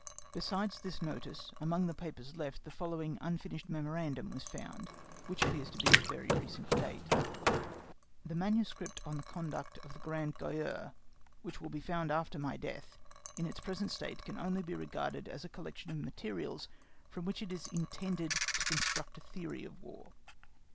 Besides this notice, amongst the papers left the following unfinished memorandum was found, which appears of very recent date: The manuscript on the conduct of the Grande Guerre, which will be found after my death, in its present state can only be regarded as a collection of materials from which it is intended to construct a theory of War.